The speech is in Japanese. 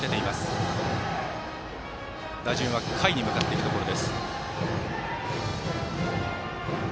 打順は下位に向かっていくところ。